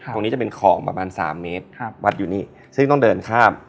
ตรงนี้จะเป็นของประมาณ๓เมตรวัดอยู่นี่ซึ่งต้องเดินข้าม